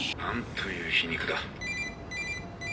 何という皮肉だ。